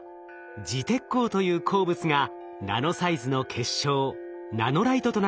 磁鉄鉱という鉱物がナノサイズの結晶ナノライトとなって散らばっています。